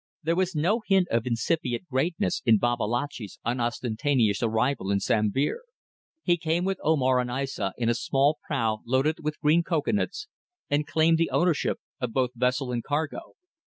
There was no hint of incipient greatness in Babalatchi's unostentatious arrival in Sambir. He came with Omar and Aissa in a small prau loaded with green cocoanuts, and claimed the ownership of both vessel and cargo.